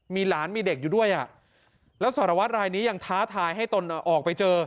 มีหลานมีเด็กอยู่ด้วยอ่ะแล้วสารวัตรรายนี้ยังท้าทายให้ตนออกไปเจอ